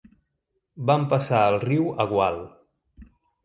Vam passar el riu a gual.